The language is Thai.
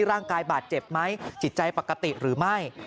ร่างกายบาดเจ็บไหมจิตใจปกติหรือไม่